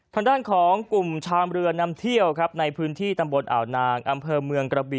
ทางด้านของกลุ่มชามเรือนำเที่ยวครับในพื้นที่ตำบลอ่าวนางอำเภอเมืองกระบี่